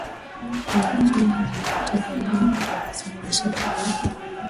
na lakini hao wamepoteza imani kwa polisi na jeshi la uganda